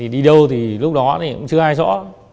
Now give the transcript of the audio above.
đi đâu thì lúc đó cũng chưa ai rõ